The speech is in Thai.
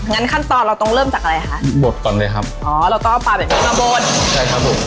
งั้นขั้นตอนเราต้องเริ่มจากอะไรคะบดก่อนเลยครับอ๋อเราก็เอาปลาแบบนี้มาบดใช่ครับผม